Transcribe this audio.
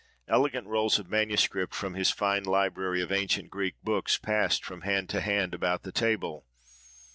Elegant rolls of manuscript from his fine library of ancient Greek books passed from hand to hand about the table.